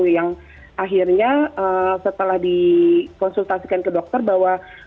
yang akhirnya setelah dikonsultasikan ke dokter bahwa